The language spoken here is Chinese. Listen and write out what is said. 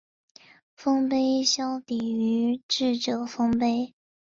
丰碑稍低于智者丰碑。